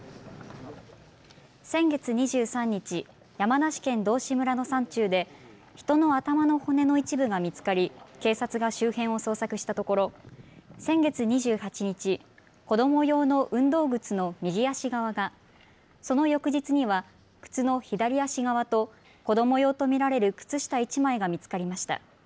先月２３日、山梨県道志村の山中で人の頭の骨の一部が見つかり警察が周辺を捜索したところ先月２８日、子ども用の運動靴の右足側が、その翌日には靴の左足側と子ども用と見られる靴下１枚が見つかりました。